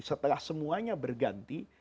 setelah semuanya berganti